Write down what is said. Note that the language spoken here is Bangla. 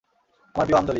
আমার প্রিয় আঞ্জলি।